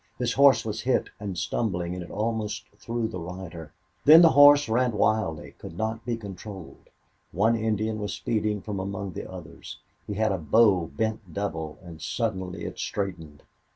His horse was hit, and stumbling, it almost threw the rider. Then the horse ran wildly could not be controlled. One Indian was speeding from among the others. He had a bow bent double, and suddenly it straightened.